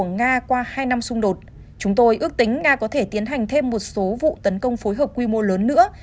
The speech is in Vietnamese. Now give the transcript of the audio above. nga có thể tiến hành thêm một số vụ tấn công phối hợp quy mô lớn nữa